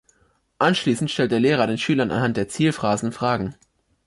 Anschließend stellt der Lehrer den Schülern anhand der Zielphrasen Fragen.